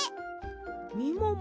みもも